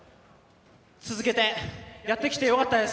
続けてやってきて良かったです。